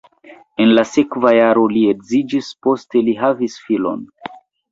En la sekva jaro li edziĝis, poste li havis filon.